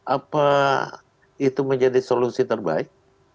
apa itu menjadi solusi terbaik